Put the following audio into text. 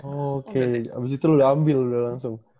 oke abis itu udah ambil udah langsung